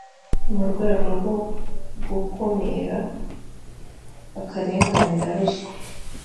mu rwego rwo gukumira akarengane na ruswa,